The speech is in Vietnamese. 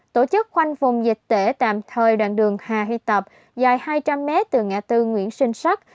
tổ chức khoanh vùng dịch tễ tạm thời đoạn đường hà huy tập dài hai trăm linh m từ ngã tư nguyễn sinh sắc